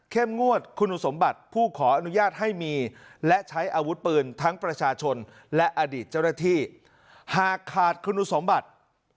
๕เข้มงวดคุณสมบัติผู้ขออนุญาตให้มีและใช้อาวุธปืนทั้งประชาชนและอดีตเจ้าหน้าที่